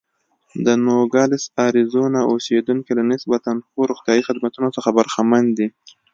د نوګالس اریزونا اوسېدونکي له نسبتا ښو روغتیايي خدمتونو برخمن دي.